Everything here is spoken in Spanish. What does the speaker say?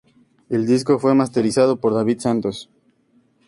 El disco fue masterizado por David Santos.